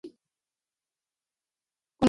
广东乡试第五十名。